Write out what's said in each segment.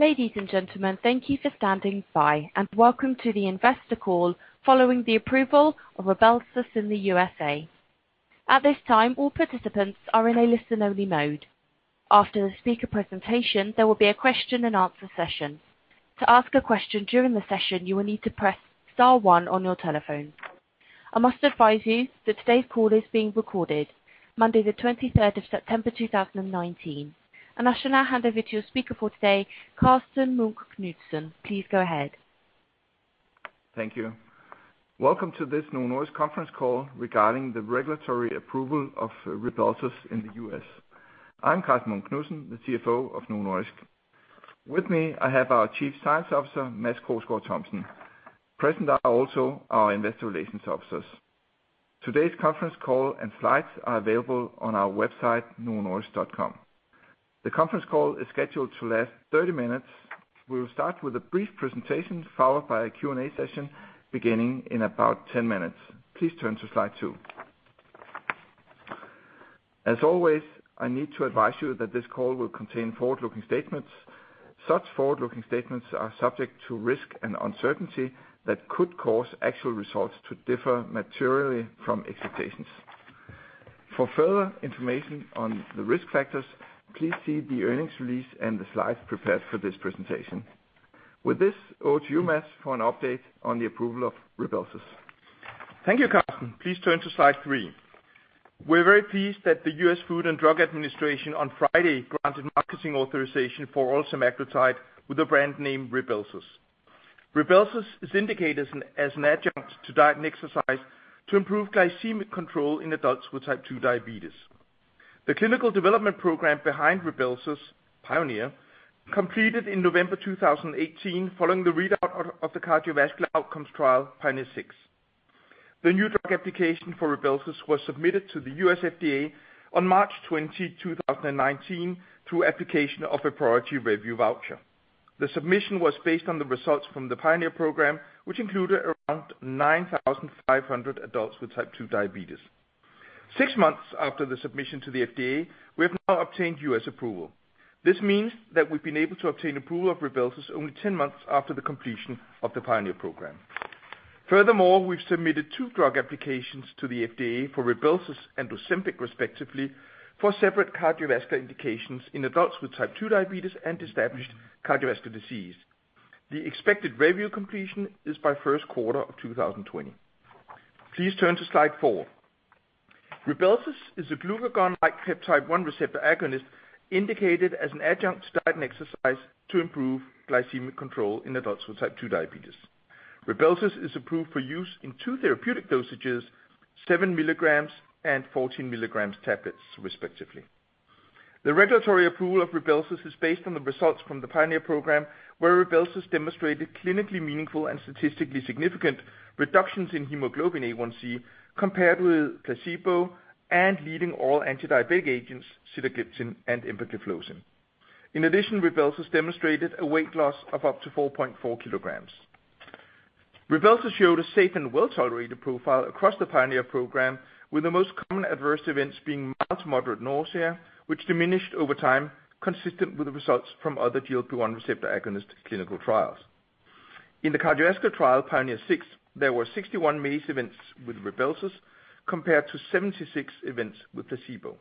Ladies and gentlemen, thank you for standing by and welcome to the investor call following the approval of Rybelsus in the U.S.A. At this time, all participants are in a listen-only mode. After the speaker presentation, there will be a question and answer session. To ask a question during the session, you will need to press star one on your telephone. I must advise you that today's call is being recorded, Monday the 23rd of September, 2019. I shall now hand over to your speaker for today, Karsten Munk Knudsen. Please go ahead. Thank you. Welcome to this Novo Nordisk conference call regarding the regulatory approval of Rybelsus in the U.S. I'm Karsten Munk Knudsen, the CFO of Novo Nordisk. With me, I have our Chief Science Officer, Mads Krogsgaard Thomsen. Present are also our investor relations officers. Today's conference call and slides are available on our website, novonordisk.com. The conference call is scheduled to last 30 minutes. We will start with a brief presentation, followed by a Q&A session beginning in about 10 minutes. Please turn to slide two. As always, I need to advise you that this call will contain forward-looking statements. Such forward-looking statements are subject to risk and uncertainty that could cause actual results to differ materially from expectations. For further information on the risk factors, please see the earnings release and the slides prepared for this presentation. With this, over to you, Mads, for an update on the approval of RYBELSUS. Thank you, Karsten. Please turn to slide three. We're very pleased that the U.S. Food and Drug Administration on Friday granted marketing authorization for oral semaglutide with the brand name RYBELSUS. RYBELSUS is indicated as an adjunct to diet and exercise to improve glycemic control in adults with type 2 diabetes. The clinical development program behind RYBELSUS, PIONEER, completed in November 2018 following the readout of the cardiovascular outcomes trial, PIONEER 6. The new drug application for RYBELSUS was submitted to the U.S. FDA on March 20, 2019 through application of a priority review voucher. The submission was based on the results from the PIONEER program, which included around 9,500 adults with type 2 diabetes. Six months after the submission to the FDA, we have now obtained U.S. approval. This means that we've been able to obtain approval of RYBELSUS only 10 months after the completion of the PIONEER program. Furthermore, we've submitted two drug applications to the FDA for Rybelsus and Ozempic respectively for separate cardiovascular indications in adults with type 2 diabetes and established cardiovascular disease. The expected review completion is by first quarter of 2020. Please turn to slide four. Rybelsus is a glucagon-like peptide 1 receptor agonist indicated as an adjunct to diet and exercise to improve glycemic control in adults with type 2 diabetes. Rybelsus is approved for use in 2 therapeutic dosages, seven milligrams and 14 milligrams tablets, respectively. The regulatory approval of Rybelsus is based on the results from the PIONEER program, where Rybelsus demonstrated clinically meaningful and statistically significant reductions in hemoglobin A1c compared with placebo and leading all anti-diabetic agents, sitagliptin and empagliflozin. In addition, Rybelsus demonstrated a weight loss of up to 4.4 kilograms. Rybelsus showed a safe and well-tolerated profile across the PIONEER program, with the most common adverse events being mild to moderate nausea, which diminished over time, consistent with the results from other GLP-1 receptor agonist clinical trials. In the cardiovascular trial, PIONEER 6, there were 61 MACE events with Rybelsus, compared to 76 events with placebo,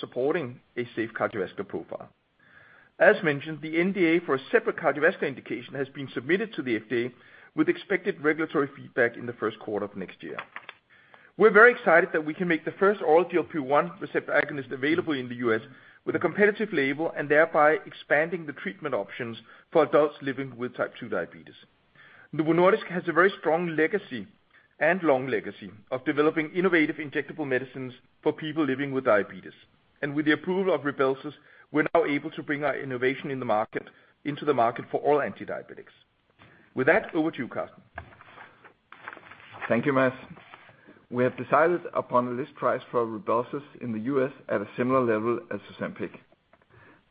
supporting a safe cardiovascular profile. As mentioned, the NDA for a separate cardiovascular indication has been submitted to the FDA, with expected regulatory feedback in the first quarter of next year. We're very excited that we can make the first oral GLP-1 receptor agonist available in the U.S. with a competitive label and thereby expanding the treatment options for adults living with type 2 diabetes. Novo Nordisk has a very strong legacy and long legacy of developing innovative injectable medicines for people living with diabetes. With the approval of RYBELSUS, we're now able to bring our innovation into the market for all anti-diabetics. With that, over to you, Carsten. Thank you, Mads. We have decided upon the list price for Rybelsus in the U.S. at a similar level as Ozempic.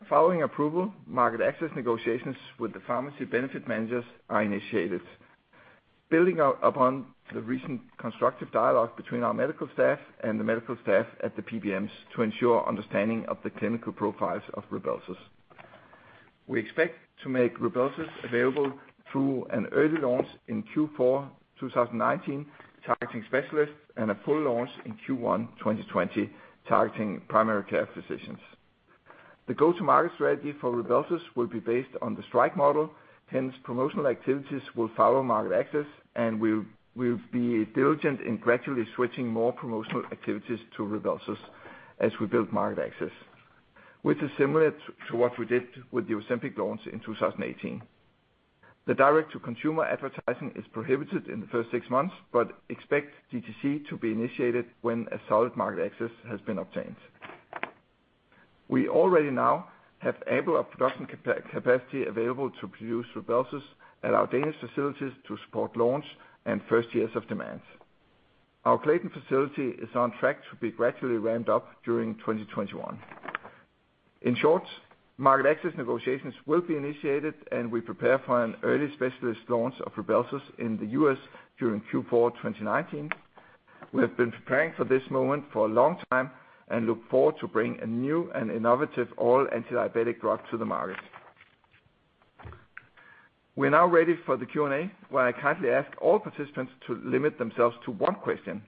Following approval, market access negotiations with the Pharmacy Benefit Managers are initiated. Building upon the recent constructive dialogue between our medical staff and the medical staff at the PBMs to ensure understanding of the clinical profiles of Rybelsus. We expect to make Rybelsus available through an early launch in Q4 2019, targeting specialists, and a full launch in Q1 2020, targeting primary care physicians. The go-to-market strategy for Rybelsus will be based on the strike model, hence promotional activities will follow market access, and we'll be diligent in gradually switching more promotional activities to Rybelsus as we build market access, which is similar to what we did with the Ozempic launch in 2018. The direct-to-consumer advertising is prohibited in the first six months. Expect DTC to be initiated when a solid market access has been obtained. We already now have ample production capacity available to produce Rybelsus at our Danish facilities to support launch and first years of demand. Our Clayton facility is on track to be gradually ramped up during 2021. In short, market access negotiations will be initiated. We prepare for an early specialist launch of Rybelsus in the U.S. during Q4 2019. We have been preparing for this moment for a long time and look forward to bringing a new and innovative oral antidiabetic drug to the market. We are now ready for the Q&A, where I kindly ask all participants to limit themselves to one question.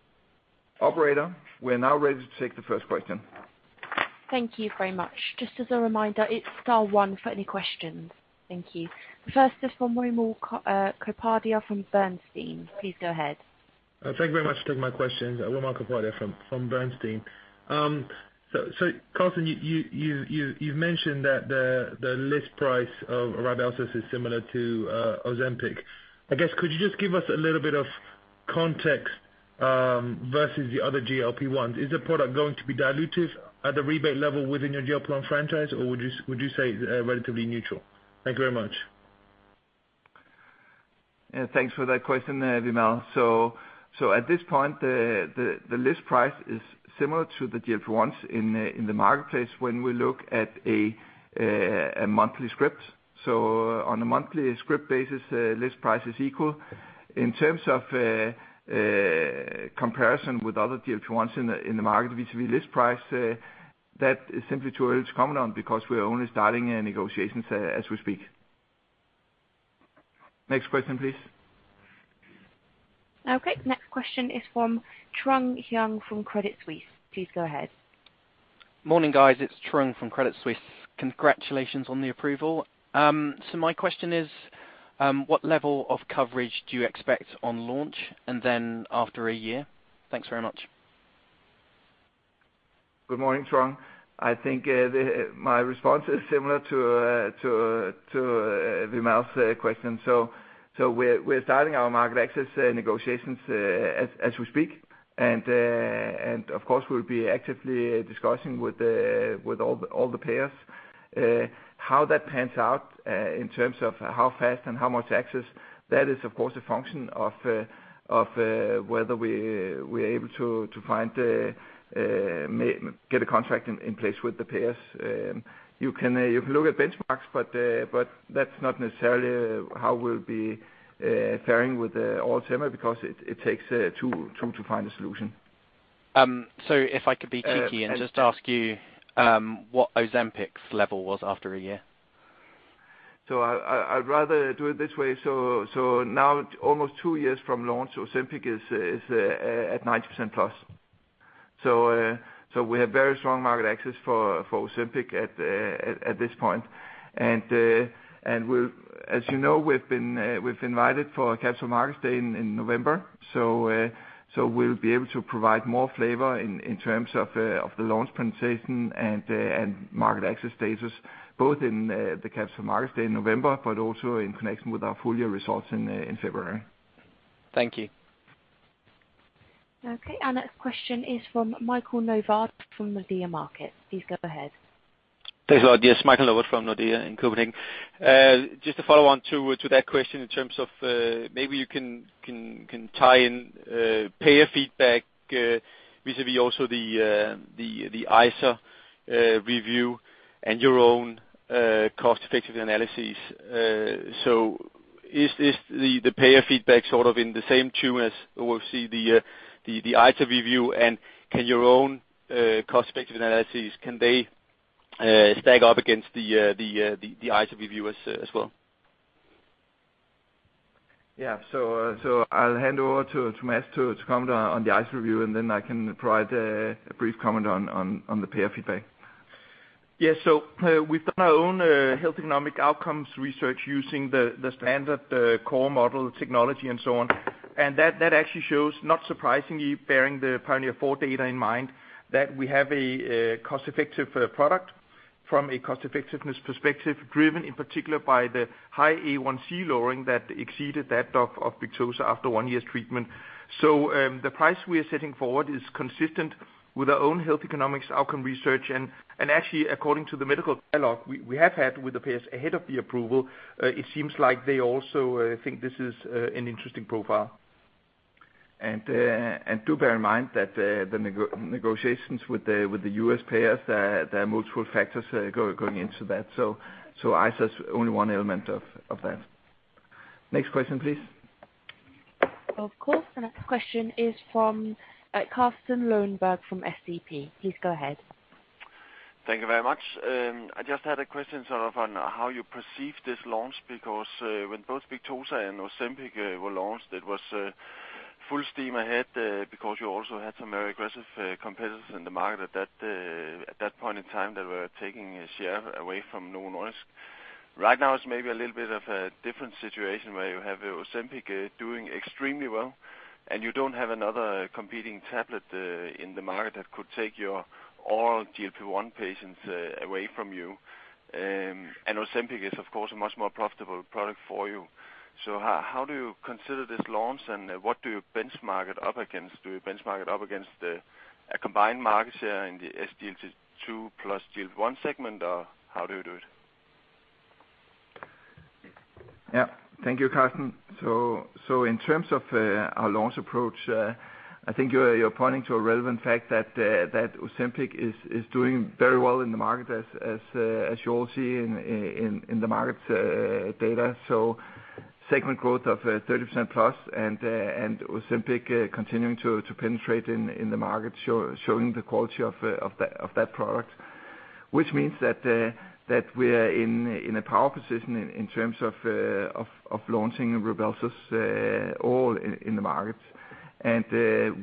Operator, we are now ready to take the first question. Thank you very much. Just as a reminder, it is star one for any questions. Thank you. First is from Wimal Kapadia from Bernstein. Please go ahead. Thank you very much for taking my question. Wimal Kapadia from Bernstein. Karsten, you've mentioned that the list price of RYBELSUS is similar to Ozempic. I guess could you just give us a little bit of context versus the other GLP-1s. Is the product going to be dilutive at the rebate level within your GLP-1 franchise or would you say relatively neutral? Thank you very much. Thanks for that question there, Wimal. At this point, the list price is similar to the GLP-1s in the marketplace when we look at a monthly script. On a monthly script basis, list price is equal. In terms of comparison with other GLP-1s in the market vis-a-vis list price, that is simply too early to comment on because we are only starting negotiations as we speak. Next question please. Okay. Next question is from Trung Huynh from Credit Suisse. Please go ahead. Morning, guys. It is Trung from Credit Suisse. Congratulations on the approval. My question is, what level of coverage do you expect on launch and then after one year? Thanks very much. Good morning, Trung. I think my response is similar to Wimal's question. We're starting our market access negotiations as we speak, of course we'll be actively discussing with all the payers. How that pans out in terms of how fast and how much access, that is of course a function of whether we're able to get a contract in place with the payers. You can look at benchmarks, that's not necessarily how we'll be faring with Ozempic because it takes two to find a solution. If I could be cheeky and just ask you what Ozempic's level was after a year. I'd rather do it this way. Now almost two years from launch, Ozempic is at 90% plus. As you know, we've invited for a Capital Markets Day in November, we'll be able to provide more flavor in terms of the launch penetration and market access status both in the Capital Markets Day in November, but also in connection with our full year results in February. Thank you. Okay, our next question is from Michael Novod from Nordea Markets. Please go ahead. Thanks a lot. Yes, Michael Novod from Nordea in Copenhagen. Just to follow on to that question in terms of maybe you can tie in payer feedback vis-a-vis also the ICER review and your own cost-effective analysis. Is the payer feedback sort of in the same tune as we'll see the ICER review? Can your own cost-effective analysis, can they stack up against the ICER review as well? I'll hand over to Mads to comment on the ICER review, and then I can provide a brief comment on the payer feedback. Yeah. We've done our own health economics outcome research using the standard core model technology and so on, and that actually shows, not surprisingly bearing the PIONEER 4 data in mind, that we have a cost-effective product from a cost effectiveness perspective driven in particular by the high A1C lowering that exceeded that of Victoza after one year's treatment. The price we are setting forward is consistent with our own health economics outcome research, and actually according to the medical dialogue we have had with the payers ahead of the approval, it seems like they also think this is an interesting profile. Do bear in mind that the negotiations with the U.S. payers, there are multiple factors going into that. ICER is only one element of that. Next question, please. Of course. The next question is from Carsten Løngaa from SEB. Please go ahead. Thank you very much. I just had a question sort of on how you perceive this launch, because when both Victoza and Ozempic were launched, it was full steam ahead because you also had some very aggressive competitors in the market at that point in time that were taking a share away from Novo Nordisk. Right now it's maybe a little bit of a different situation where you have Ozempic doing extremely well, and you don't have another competing tablet in the market that could take your oral GLP-1 patients away from you. Ozempic is of course a much more profitable product for you. How do you consider this launch and what do you benchmark it up against? Do you benchmark it up against a combined market share in the SGLT2 plus GLP-1 segment, or how do you do it? Yeah. Thank you, Carsten. In terms of our launch approach, I think you're pointing to a relevant fact that Ozempic is doing very well in the market as you all see in the market data. Segment growth of 30% plus and Ozempic continuing to penetrate in the market showing the quality of that product, which means that we are in a power position in terms of launching RYBELSUS all in the markets.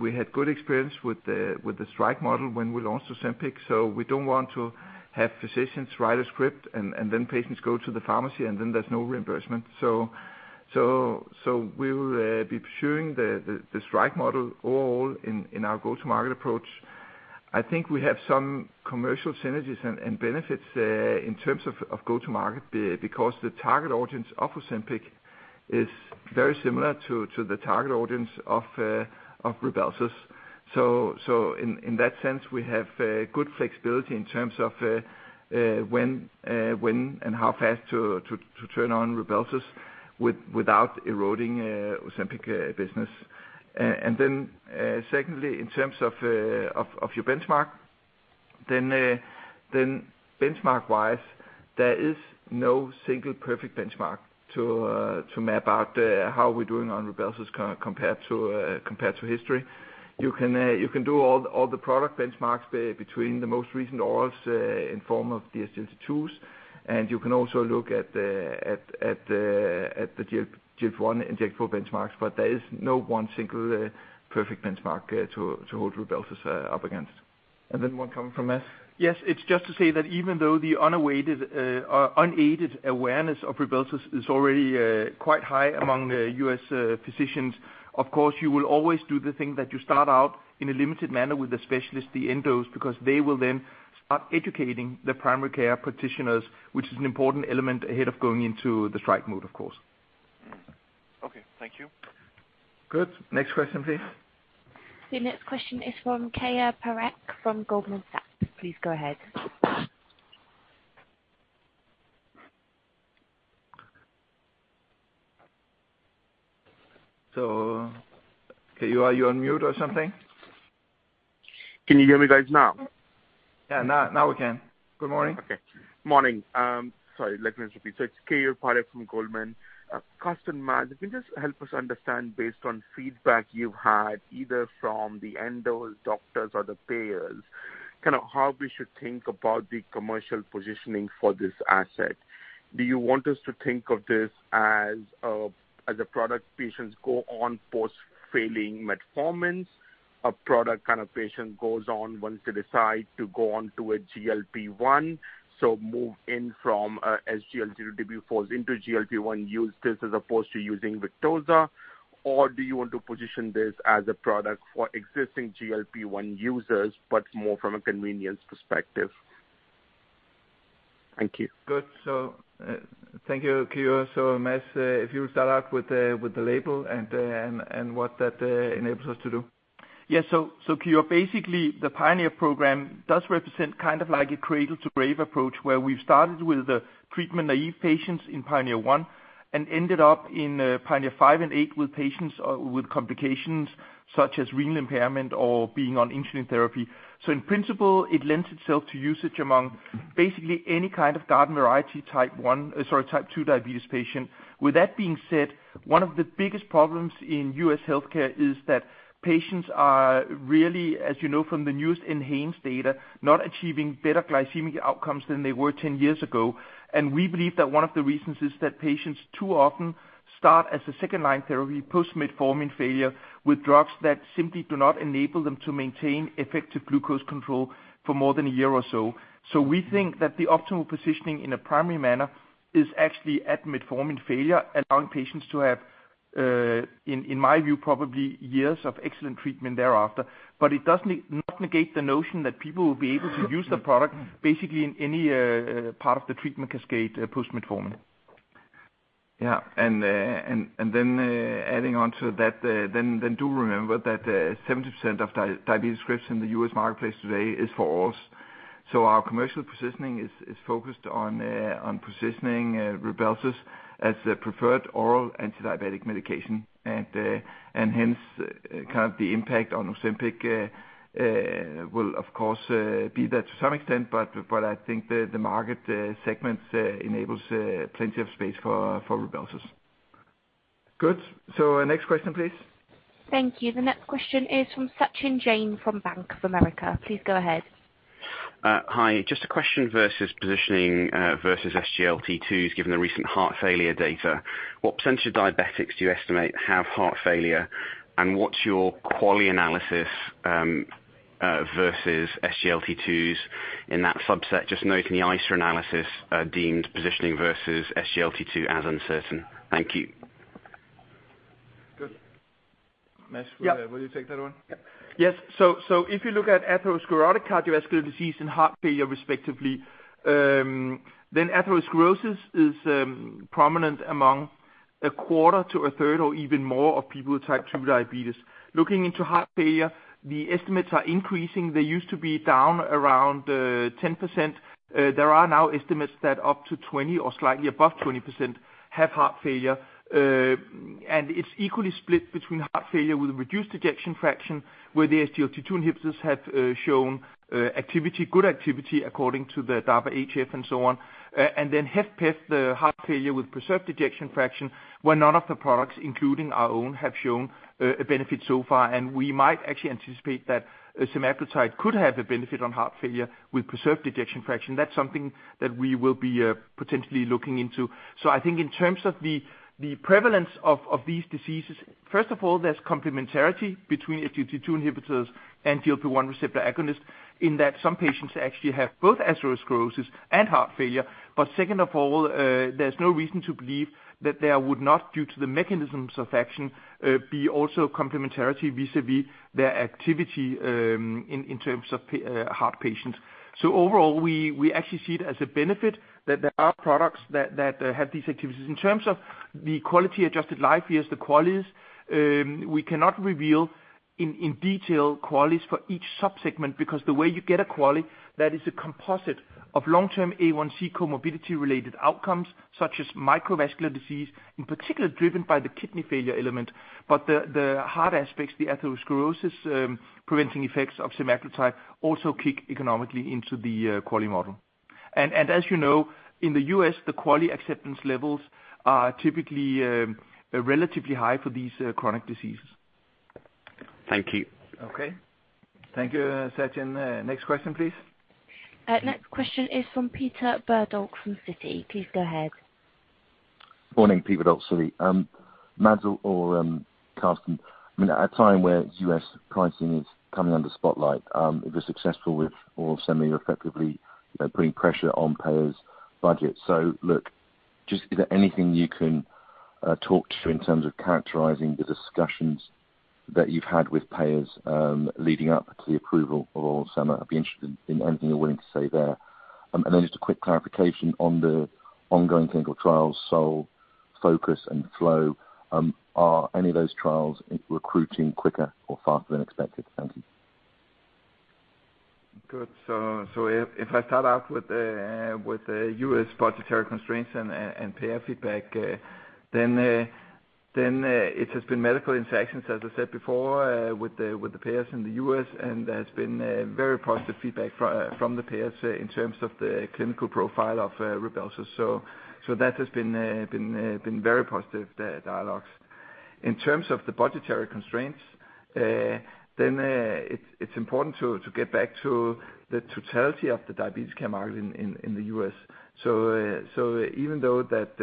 We had good experience with the strike model when we launched Ozempic. We don't want to have physicians write a script and then patients go to the pharmacy, and then there's no reimbursement. We will be pursuing the strike model overall in our go-to-market approach. I think we have some commercial synergies and benefits in terms of go-to-market, because the target audience of Ozempic is very similar to the target audience of RYBELSUS. In that sense, we have good flexibility in terms of when and how fast to turn on RYBELSUS without eroding Ozempic business. Secondly, in terms of your benchmark, then benchmark-wise, there is no single perfect benchmark to map out how we're doing on RYBELSUS compared to history. You can do all the product benchmarks between the most recent orals in form of the SGLT2s, and you can also look at the GLP-1 injectable benchmarks. There is no one single perfect benchmark to hold RYBELSUS up against. One coming from Mads. Yes. It is just to say that even though the unaided awareness of Rybelsus is already quite high among U.S. physicians, of course, you will always do the thing that you start out in a limited manner with the specialist, the endos, because they will then start educating the primary care practitioners, which is an important element ahead of going into the strike model, of course. Okay. Thank you. Good. Next question, please. The next question is from Keyur Parekh from Goldman Sachs. Please go ahead. Keyur, are you on mute or something? Can you hear me guys now? Yeah, now we can. Good morning. Okay. Morning. Sorry. Let me just repeat. It's Keyur Parekh from Goldman. Carsten, Mads, if you can just help us understand based on feedback you've had, either from the endo doctors or the payers, how we should think about the commercial positioning for this asset. Do you want us to think of this as a product patients go on post failing metformin, a product kind of patient goes on once they decide to go onto a GLP-1, move in from a SGLT2 into GLP-1, use this as opposed to using Victoza? Do you want to position this as a product for existing GLP-1 users, but more from a convenience perspective? Thank you. Good. Thank you, Keyur. Mads, if you start out with the label and what that enables us to do. Yeah. Keyur, basically, the PIONEER program does represent a cradle to grave approach, where we've started with the treatment-naive patients in PIONEER 1, and ended up in PIONEER 5 and 8 with patients with complications such as renal impairment or being on insulin therapy. In principle, it lends itself to usage among basically any kind of garden variety type 2 diabetes patient. With that being said, one of the biggest problems in U.S. healthcare is that patients are really, as you know from the newest NHANES data, not achieving better glycemic outcomes than they were 10 years ago. We believe that one of the reasons is that patients too often start as a second-line therapy post metformin failure with drugs that simply do not enable them to maintain effective glucose control for more than a year or so. We think that the optimal positioning in a primary manner is actually at Metformin failure, allowing patients to have, in my view, probably years of excellent treatment thereafter. It does not negate the notion that people will be able to use the product basically in any part of the treatment cascade post Metformin. Yeah. Adding on to that, do remember that 70% of diabetes scripts in the U.S. marketplace today is for orals. Our commercial positioning is focused on positioning RYBELSUS as the preferred oral antidiabetic medication. Hence, the impact on Ozempic will of course be there to some extent, but I think the market segments enables plenty of space for RYBELSUS. Good. Next question, please. Thank you. The next question is from Sachin Jain from Bank of America. Please go ahead. Hi. Just a question versus positioning versus SGLT2s, given the recent heart failure data. What % of diabetics do you estimate have heart failure? What's your QALYs versus SGLT2s in that subset? Just noting the ICER analysis deemed positioning versus SGLT2 as uncertain. Thank you. Good. Mads- Yeah Will you take that one? Yeah. Yes. If you look at atherosclerotic cardiovascular disease and heart failure respectively, atherosclerosis is prominent among a quarter to a third or even more of people with type 2 diabetes. Looking into heart failure, the estimates are increasing. They used to be down around 10%. There are now estimates that up to 20% or slightly above 20% have heart failure. It's equally split between heart failure with reduced ejection fraction, where the SGLT2 inhibitors have shown good activity according to the DAPA-HF and so on. HFpEF, the heart failure with preserved ejection fraction, where none of the products, including our own, have shown a benefit so far. We might actually anticipate that semaglutide could have a benefit on heart failure with preserved ejection fraction. That's something that we will be potentially looking into. I think in terms of the prevalence of these diseases, first of all, there's complementarity between SGLT2 inhibitors and GLP-1 receptor agonists in that some patients actually have both atherosclerosis and heart failure. Second of all, there's no reason to believe that there would not, due to the mechanisms of action, be also complementarity vis-à-vis their activity in terms of heart patients. Overall, we actually see it as a benefit that there are products that have these activities. In terms of the quality-adjusted life years, the QALYs, we cannot reveal in detail QALYs for each subsegment because the way you get a QALY, that is a composite of long-term A1c comorbidity-related outcomes, such as microvascular disease, in particular driven by the kidney failure element. The heart aspects, the atherosclerosis-preventing effects of semaglutide also kick economically into the QALY model. As you know, in the U.S., the QALY acceptance levels are typically relatively high for these chronic diseases. Thank you. Okay. Thank you, Sachin. Next question, please. Next question is from Peter Verdult from Citi. Please go ahead. Morning, Peter Verdult, Citi. Mads or Carsten, at a time where U.S. pricing is coming under spotlight, if you're successful with effectively putting pressure on payers' budgets. Look, just is there anything you can talk to in terms of characterizing the discussions that you've had with payers leading up to the approval of Ozempic? I'd be interested in anything you're willing to say there. Then just a quick clarification on the ongoing clinical trials, SOUL, FOCUS, and FLOW. Are any of those trials recruiting quicker or faster than expected? Thank you. Good. If I start off with the U.S. budgetary constraints and payer feedback, it has been medical interactions, as I said before, with the payers in the U.S., and there's been very positive feedback from the payers in terms of the clinical profile of Rybelsus. That has been very positive dialogues. In terms of the budgetary constraints, it's important to get back to the totality of the diabetes care market in the U.S. Even though that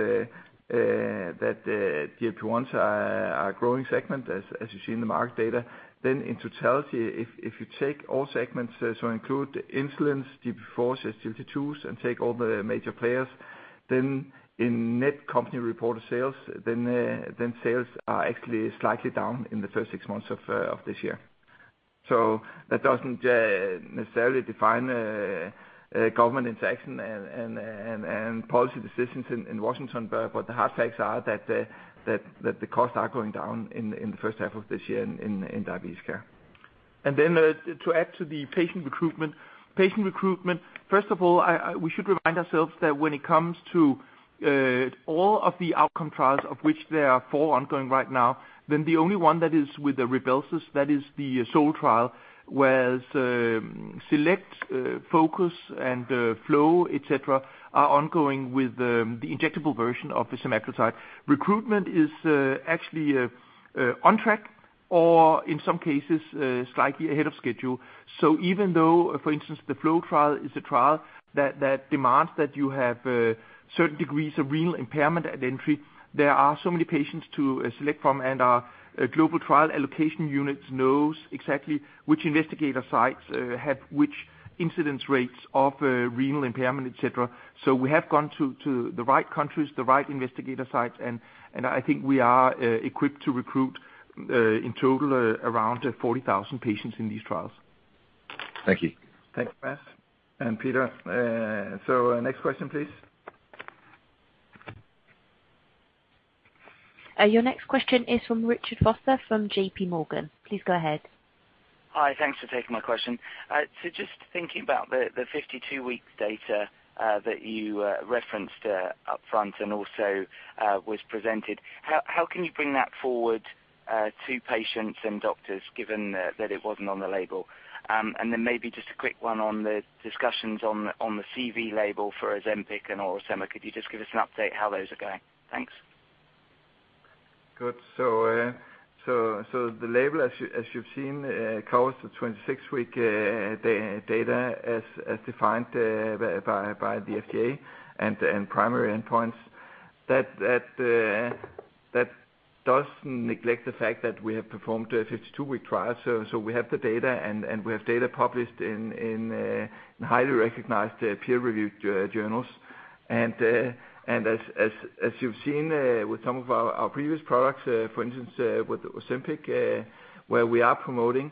GLP-1s are a growing segment, as you see in the market data, in totality, if you take all segments, include insulins, DPP-4s, SGLT2s, and take all the major players, in net company reported sales are actually slightly down in the first 6 months of this year. That doesn't necessarily define government interaction and policy decisions in Washington, but the hard facts are that the costs are going down in the first half of this year in diabetes care. Then to add to the patient recruitment. Patient recruitment, first of all, we should remind ourselves that when it comes to all of the outcome trials, of which there are four ongoing right now, then the only one that is with the RYBELSUS, that is the SOUL trial, whereas SELECT, FOCUS, and FLOW, et cetera, are ongoing with the injectable version of the semaglutide. Recruitment is actually on track or in some cases slightly ahead of schedule. Even though, for instance, the FLOW trial is a trial that demands that you have certain degrees of renal impairment at entry, there are so many patients to select from, and our global trial allocation units knows exactly which investigator sites have which incidence rates of renal impairment, et cetera. We have gone to the right countries, the right investigator sites, and I think we are equipped to recruit, in total, around 40,000 patients in these trials. Thank you. Thanks, Mads and Peter. Next question, please. Your next question is from Richard Vosser from J.P. Morgan. Please go ahead. Hi. Thanks for taking my question. Just thinking about the 52-week data that you referenced up front and also was presented, how can you bring that forward to patients and doctors, given that it wasn't on the label? Maybe just a quick one on the discussions on the CV label for Ozempic and oral semaglutide. Could you just give us an update how those are going? Thanks. The label, as you've seen, covers the 26-week data as defined by the FDA and primary endpoints. That does neglect the fact that we have performed a 52-week trial. We have the data, and we have data published in highly recognized peer-reviewed journals. As you've seen with some of our previous products, for instance, with Ozempic, where we are promoting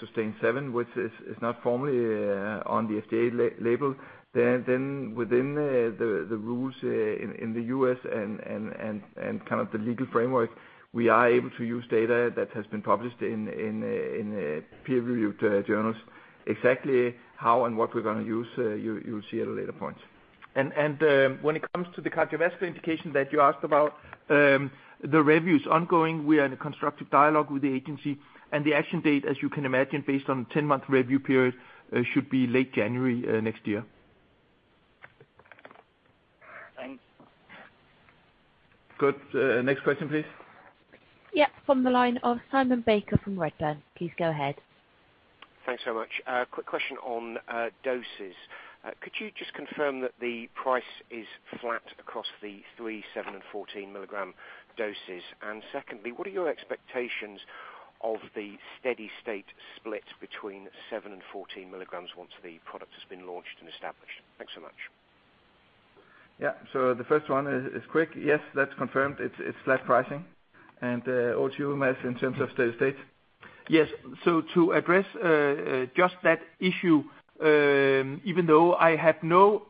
SUSTAIN 7, which is not formally on the FDA label, then within the rules in the U.S. and kind of the legal framework, we are able to use data that has been published in peer-reviewed journals. Exactly how and what we're going to use, you'll see at a later point. When it comes to the cardiovascular indication that you asked about, the review is ongoing. We are in a constructive dialogue with the agency, and the action date, as you can imagine, based on 10-month review period, should be late January next year. Thanks. Good. Next question, please. Yeah, from the line of Simon Baker from Redburn. Please go ahead. Thanks so much. Quick question on doses. Could you just confirm that the price is flat across the three, seven and 14 milligram doses? Secondly, what are your expectations of the steady-state split between seven and 14 milligrams once the product has been launched and established? Thanks so much. The first one is quick. Yes, that's confirmed. It's flat pricing. Over to you, Mads, in terms of steady state. To address just that issue, even though I have no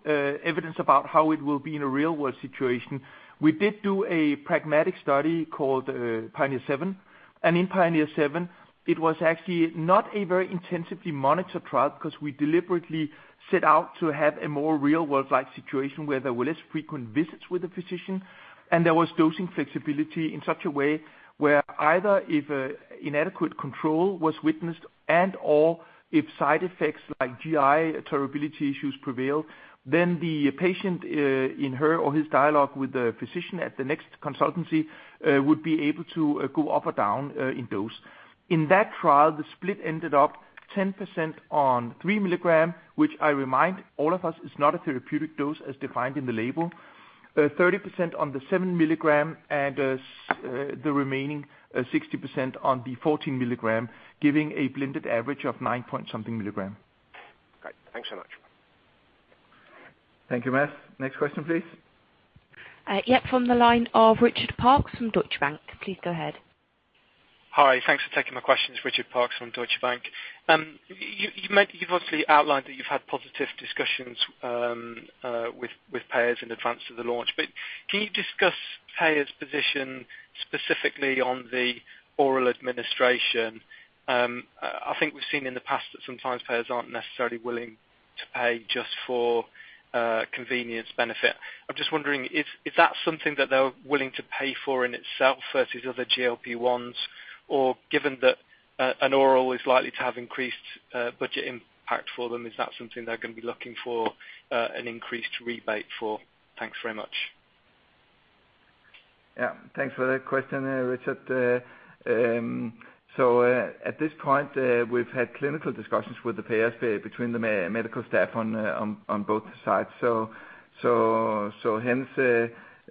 evidence about how it will be in a real-world situation, we did do a pragmatic study called PIONEER 7. In PIONEER 7, it was actually not a very intensively monitored trial because we deliberately set out to have a more real-world like situation where there were less frequent visits with the physician, and there was dosing flexibility in such a way where either if inadequate control was witnessed and/or if side effects like GI tolerability issues prevailed, then the patient in her or his dialogue with the physician at the next consultancy, would be able to go up or down in dose. In that trial, the split ended up 10% on 3 milligrams, which I remind all of us is not a therapeutic dose as defined in the label, 30% on the 7 milligram and the remaining 60% on the 14 milligram, giving a blended average of 9 point something milligram. Great. Thanks so much. Thank you, Mads. Next question, please. Yep, from the line of Richard Parkes from Deutsche Bank. Please go ahead. Hi. Thanks for taking my questions. Richard Parkes from Deutsche Bank. You've obviously outlined that you've had positive discussions with payers in advance of the launch. Can you discuss payer's position specifically on the oral administration? I think we've seen in the past that sometimes payers aren't necessarily willing to pay just for convenience benefit. I'm just wondering, is that something that they're willing to pay for in itself versus other GLP-1s? Given that an oral is likely to have increased budget impact for them, is that something they're going to be looking for an increased rebate for? Thanks very much. Thanks for that question, Richard. At this point, we've had clinical discussions with the payers between the medical staff on both sides. Hence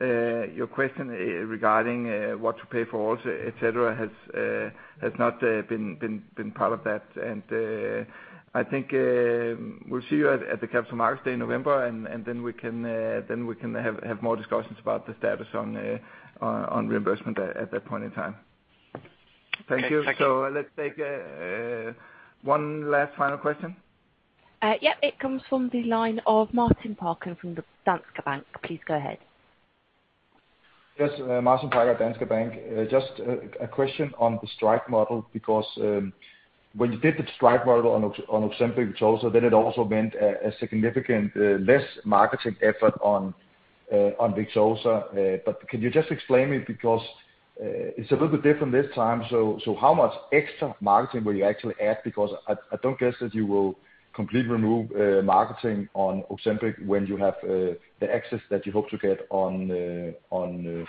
your question regarding what to pay for also etc. has not been part of that. I think we'll see you at the Capital Markets Day in November, and then we can have more discussions about the status on reimbursement at that point in time. Thank you. Let's take one last final question. Yep. It comes from the line of Martin Parkhøi from the Danske Bank. Please go ahead. Yes, Martin Parkhøi, Danske Bank. Just a question on the strike model, because when you did the strike model on Ozempic which also then it also meant a significant less marketing effort on Victoza. Can you just explain it because it's a little bit different this time. How much extra marketing will you actually add? I don't guess that you will completely remove marketing on Ozempic when you have the access that you hope to get on RYBELSUS.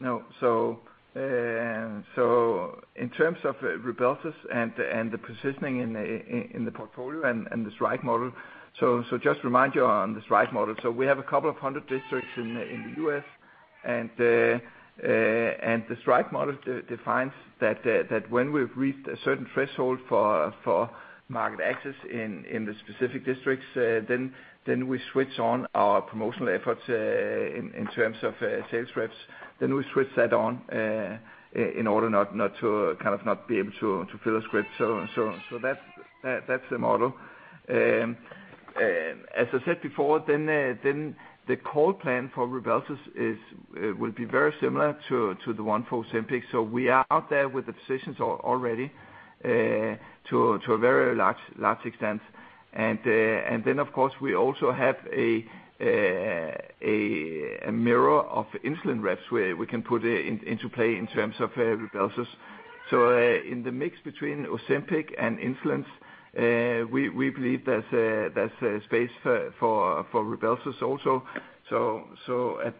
In terms of RYBELSUS and the positioning in the portfolio and the strike model. Just remind you on the strike model. We have a couple of 100 districts in the U.S. and the strike model defines that when we've reached a certain threshold for market access in the specific districts, we switch on our promotional efforts in terms of sales reps. We switch that on in order not to be able to fill a script. That's the model. As I said before, the core plan for RYBELSUS will be very similar to the one for Ozempic. We are out there with the physicians already to a very large extent. Of course, we also have a mirror of insulin reps where we can put into play in terms of RYBELSUS. In the mix between Ozempic and insulins, we believe there's a space for RYBELSUS also.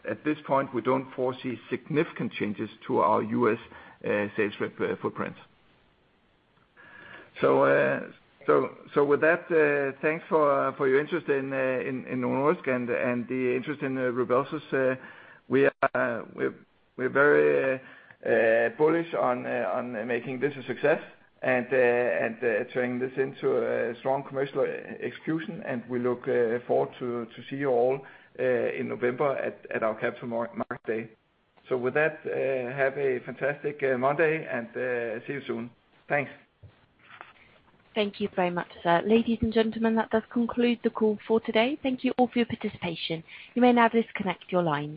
At this point, we don't foresee significant changes to our U.S. sales rep footprint. With that, thanks for your interest in Novo Nordisk and the interest in RYBELSUS. We're very bullish on making this a success and turning this into a strong commercial execution, and we look forward to see you all in November at our Capital Markets Day. With that, have a fantastic Monday and see you soon. Thanks. Thank you very much, sir. Ladies and gentlemen, that does conclude the call for today. Thank you all for your participation. You may now disconnect your lines.